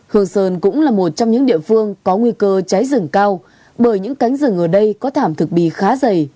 hương sơn cũng là một trong những địa phương có nguy cơ cháy rừng cao bởi những cánh rừng ở đây có thảm thực bì khá dày